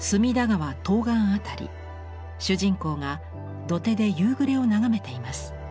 東岸あたり主人公が土手で夕暮れを眺めています。